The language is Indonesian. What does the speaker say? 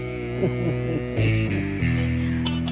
itu kecil aus